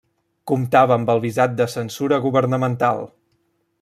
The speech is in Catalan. Comptava amb el visat de censura governamental.